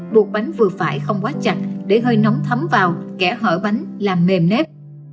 buộc bánh vừa phải không quá chạch để hơi nóng thấm vào kẻ hở bánh làm mềm nếp